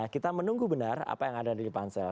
kita menunggu benar apa yang ada di pansel